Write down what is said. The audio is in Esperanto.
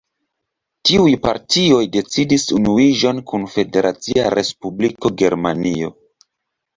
Tiuj partioj decidis unuiĝon kun Federacia Respubliko Germanio.